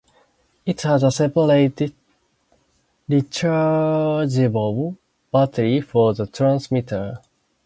It has a separate, rechargeable battery for the transmitter.